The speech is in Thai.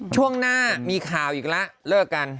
ช่วงหน้ามีข่าวอีกแล้วเลิกกัน